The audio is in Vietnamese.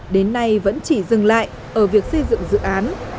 đến nay vẫn chỉ dừng lại ở việc xây dựng dự án